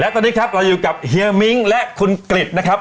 ตอนนี้ครับเราอยู่กับเฮียมิ้งและคุณกริจนะครับ